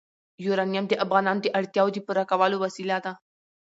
یورانیم د افغانانو د اړتیاوو د پوره کولو وسیله ده.